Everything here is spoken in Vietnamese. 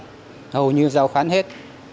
hầu như giao khoán hết